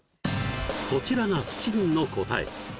こちらが７人の答え